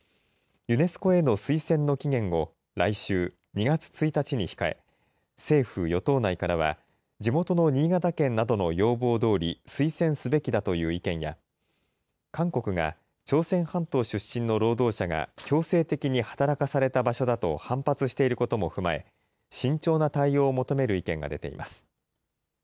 ユネスコへの推薦の期限を、来週２月１日に控え、政府・与党内からは、地元の新潟県などの要望どおり、推薦すべきだという意見や、韓国が朝鮮半島出身の労働者が強制的に働かされた場所だと反発していることも踏まえ、慎重な対応を求める意見が出ています。